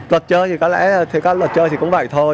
rột chơi thì có lẽ thực ra rột chơi thì cũng vậy thôi